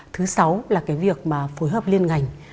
thứ sáu là cái việc mà phối hợp liên ngành